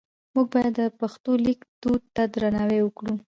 موږ باید د پښتو لیک دود ته درناوی وکړو.